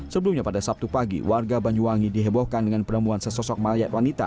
sebelumnya pada sabtu pagi warga banyuwangi dihebohkan dengan penemuan sesosok mayat wanita